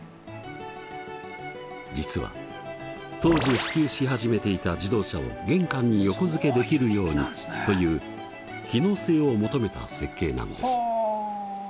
実は当時普及し始めていた自動車を玄関に横付けできるようにという機能性を求めた設計なんです。